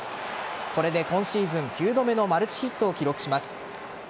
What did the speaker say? これで今シーズン９度目のマルチヒットを記録します。